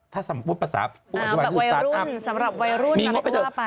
ถ้าสมมุติประสาทสำหรับวัยรุ่นมีงบไปเถอะ